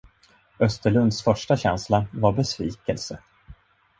Österlunds första känsla var besvikelse.